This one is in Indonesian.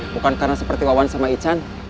bukan karena seperti wawan sama ican